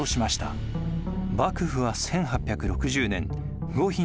幕府は１８６０年五品